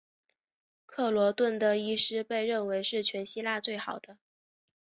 克罗顿的医师被认为是全希腊最好的。